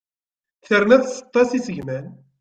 Terna tseṭṭa s isegman.